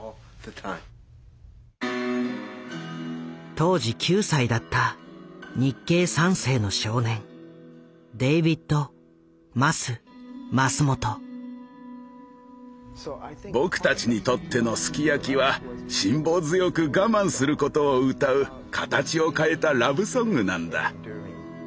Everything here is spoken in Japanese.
当時９歳だった日系三世の少年僕たちにとっての「ＳＵＫＩＹＡＫＩ」は辛抱強く我慢することを歌う形を変えたラブソングなんだ。